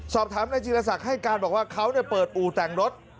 สอบถามนายจีรศักดิ์ให้การบอกว่าเขาเปิดอู่แต่งรถ